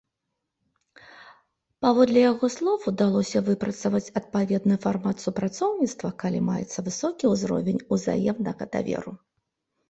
Паводле яго слоў, удалося выпрацаваць адпаведны фармат супрацоўніцтва, калі маецца высокі ўзровень ўзаемнага даверу.